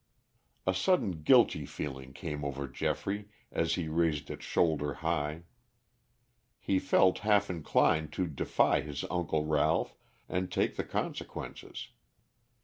A sudden guilty feeling came over Geoffrey as he raised it shoulder high. He felt half inclined to defy his uncle Ralph and take the consequences.